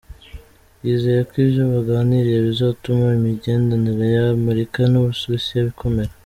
Yizeye ko ivyo baganiriye bizotuma imigenderanire ya Amerika n'Uburusiya ikomera.